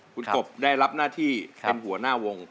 คุณกบได้รับหน้าที่เป็นหัวหน้าวง